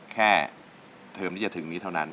เทอมที่จะถึงนี้เท่านั้น